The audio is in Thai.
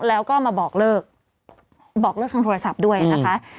แล้วก็มาบอกเลิกบอกเลิกทางโทรศัพท์ด้วยนะคะ